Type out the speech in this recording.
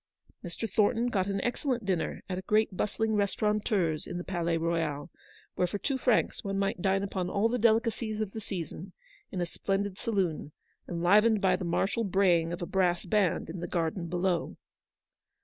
Mr. Thornton got an excellent dinner at a great bustling restaurateur's in the Palais Royal, where for two francs one might dine upon all the delica cies of the season, in a splendid saloon, enlivened by the martial braying of a brass band in the garden below.